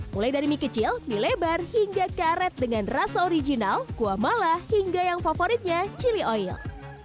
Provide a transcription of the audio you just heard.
mulai dari mie kecil mie lebar hingga karet dengan rasa original kuah malah hingga yang favoritnya chili oil